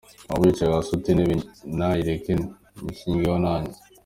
Waba wicaye hasi uti intebe nayireke Nyishingeho nanjye".